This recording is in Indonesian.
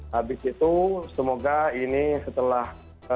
habis itu semoga ini setelah